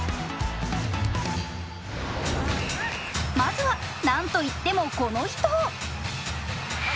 まずはなんといってもこの人。